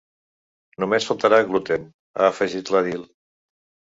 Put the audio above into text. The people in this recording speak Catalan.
“Només faltarà gluten”, ha afegit l’edil.